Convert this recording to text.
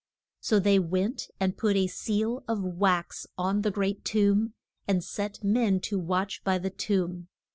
So they went and put a seal of wax on the great tomb, and set men to watch by the tomb.